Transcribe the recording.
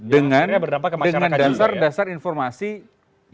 dengan dasar dasar informasi yang menurut saya tidak bergantung kepada kebangkitan pki